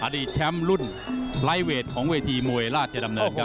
แชมป์รุ่นไลทเวทของเวทีมวยราชดำเนินครับ